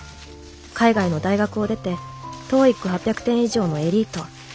海外の大学を出てＴＯＥＩＣ８００点以上のエリート。